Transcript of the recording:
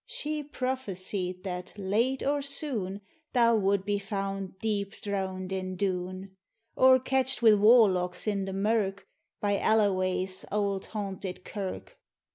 She prophesied that, late or soon, Thou would be found deep drowned in Doon ; Or catched wi' warlocks in the mirk, By Alio way's auld haunted kirk.